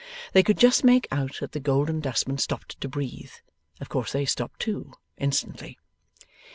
They could just make out that the Golden Dustman stopped to breathe. Of course they stopped too, instantly.